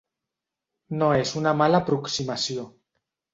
No és una mala aproximació.